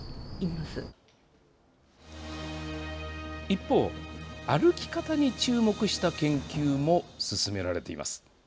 一方、歩き方に注目した研究も進められています。